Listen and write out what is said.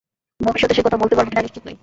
ভবিষ্যতে সে কথা বলতে পারবে কি-না নিশ্চিত নই।